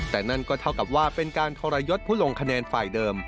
แต่นั่นก็เท่ากับว่าเป็นการทรยศผู้ลงคะแนนฝ่ายเดิม